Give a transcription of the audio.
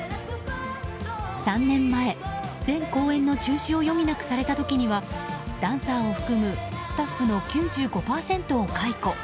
３年前、全公演の中止を余儀なくされた時にはダンサーを含むスタッフの９５％を解雇。